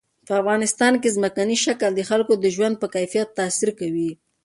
په افغانستان کې ځمکنی شکل د خلکو د ژوند په کیفیت تاثیر کوي.